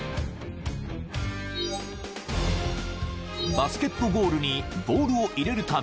［バスケットゴールにボールを入れるたび